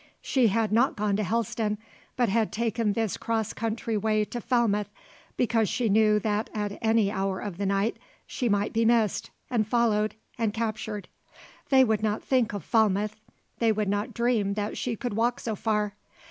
She had not gone to Helston, but had taken this cross country way to Falmouth because she knew that at any hour of the night she might be missed and followed and captured. They would not think of Falmouth; they would not dream that she could walk so far.